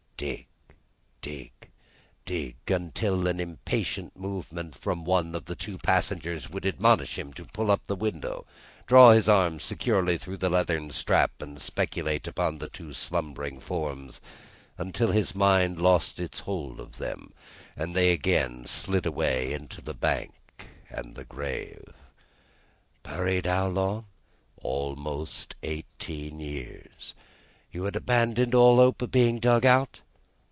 Dig dig dig until an impatient movement from one of the two passengers would admonish him to pull up the window, draw his arm securely through the leathern strap, and speculate upon the two slumbering forms, until his mind lost its hold of them, and they again slid away into the bank and the grave. "Buried how long?" "Almost eighteen years." "You had abandoned all hope of being dug out?"